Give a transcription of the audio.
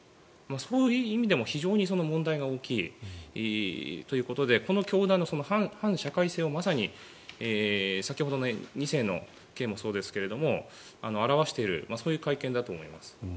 そういう意味でも非常に問題が大きいといことでこの教団の反社会性をまさに先ほどの２世の件もそうですが表しているそういう会見だと思います。